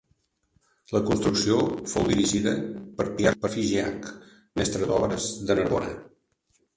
La construcció fou dirigida per Pierre Figeac, mestre d'obres de Narbona.